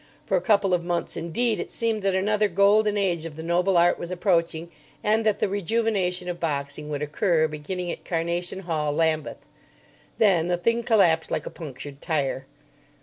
For a couple of months, indeed, it seemed that another golden age of the noble art was approaching, and that the rejuvenation of boxing would occur, beginning at Carnation Hall, Lambeth. Then the thing collapsed like a punctured tyre.